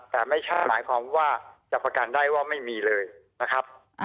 แต่ไม่ใช่หมายความว่าจะประกันได้ว่าไม่มีเลยนะครับ